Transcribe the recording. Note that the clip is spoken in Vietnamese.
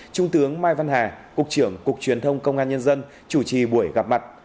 trung tướng mai văn hà cục trưởng cục truyền thông công an nhân dân chủ trì buổi gặp mặt